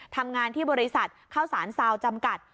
ทำงานที่บริษัทข้าวสารซาวจำกัด